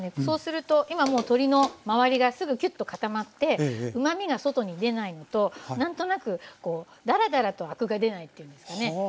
そうすると今もう鶏の周りがすぐキュッと固まってうまみが外に出ないのと何となくだらだらとアクが出ないっていうんですかね。